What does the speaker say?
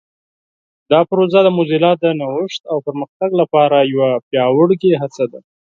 دا پروژه د موزیلا د نوښت او پرمختګ لپاره یوه پیاوړې هڅه ده.